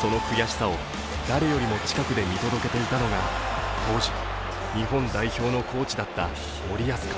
その悔しさを誰よりも近くで見届けていたのが、当時日本代表のコーチだった森保監督。